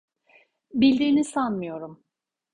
Bildiğini sanmıyorum.